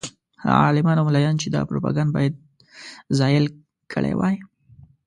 هغه عالمان او ملایان چې دا پروپاګند باید زایل کړی وای.